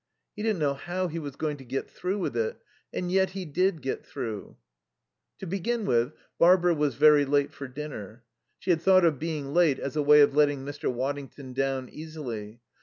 He didn't know how he was going to get through with it, and yet he did get through. To begin with, Barbara was very late for dinner. She had thought of being late as a way of letting Mr. Waddington down easily.